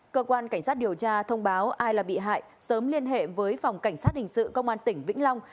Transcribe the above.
cơ quan cảnh sát điều tra thông báo ai là bị hại sớm liên hệ với phòng cảnh sát hình sự công an tỉnh vĩnh long